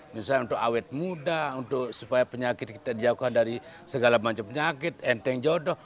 misalnya untuk awet muda untuk supaya penyakit kita jauhkan dari segala macam penyakit enteng jodoh